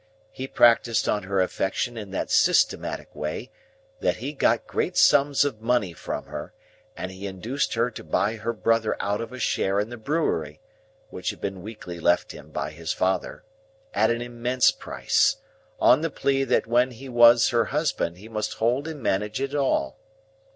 He practised on her affection in that systematic way, that he got great sums of money from her, and he induced her to buy her brother out of a share in the brewery (which had been weakly left him by his father) at an immense price, on the plea that when he was her husband he must hold and manage it all.